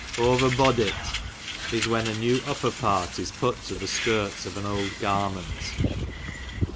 Over horlit, is when a new upper part is put to the tkirts of an old garment.